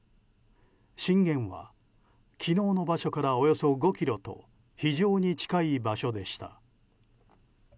震源は昨日の場所からおよそ５ｋｍと非常に近い場所でした。